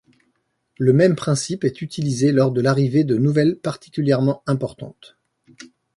Le même principe est utilisé lors de l'arrivée de nouvelles particulièrement importante.